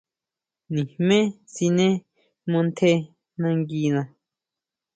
Nijmé siné mantjé nanguina.